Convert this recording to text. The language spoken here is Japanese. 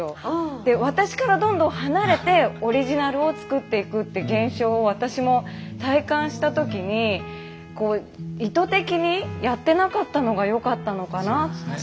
で私からどんどん離れてオリジナルを作っていくって現象を私も体感した時にこう意図的にやってなかったのがよかったのかなって。